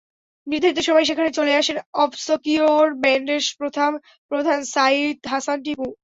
নির্ধারিত সময়ে সেখানে চলে আসেন অবসকিওর ব্যান্ডের প্রধান সাঈদ হাসান টিপু।